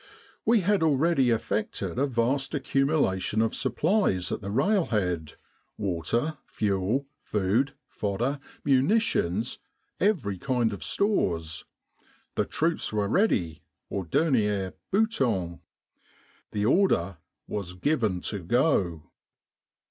We had already effected a vast 128 El Arish Maghdaba Rafa accumulation of supplies at the railhead water, fuel, food, fodder, munitions, every kind of stores. The troops were ready "au dernier bouton." The order was given to go.